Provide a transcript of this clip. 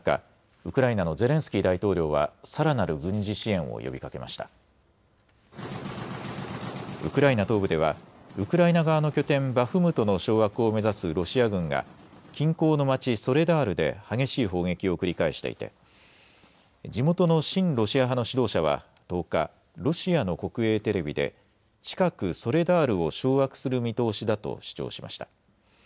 ウクライナ東部ではウクライナ側の拠点、バフムトの掌握を目指すロシア軍が近郊の町、ソレダールで激しい砲撃を繰り返していて地元の親ロシア派の指導者は１０日、ロシアの国営テレビで近くソレダールを掌握する見通しだと主張しました。